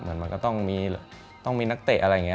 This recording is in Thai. เหมือนมันก็ต้องมีต้องมีนักเตะอะไรอย่างนี้